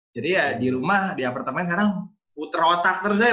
jadi ya di rumah di apartemen kadang puter otak terus aja